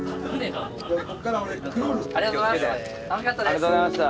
ありがとうございます。